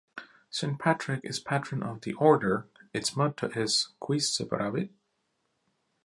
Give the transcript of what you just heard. Saint Patrick is patron of the order; its motto is Quis separabit?